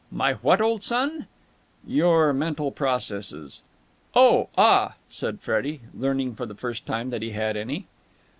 "My what, old son?" "Your mental processes." "Oh, ah!" said Freddie, learning for the first time that he had any.